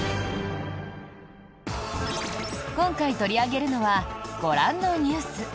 今回取り上げるのはご覧のニュース。